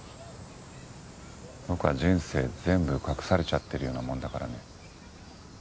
僕は人生全部隠されちゃってるようなものだからね。